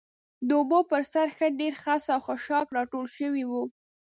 د اوبو پر سر ښه ډېر خس او خاشاک راټول شوي و.